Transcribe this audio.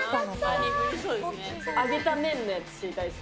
揚げた麺のやつ知りたいです。